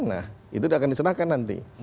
nah itu akan diserahkan nanti